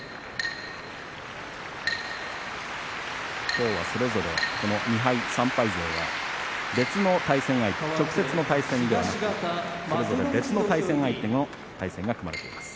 今日はそれぞれ２敗３敗勢が別の対戦相手直接の対戦ではなく、それぞれ別の対戦相手と対戦が組まれています。